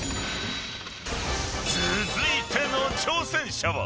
［続いての挑戦者は］